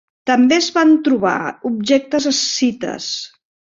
També es van trobar objectes escites.